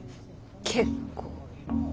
結構。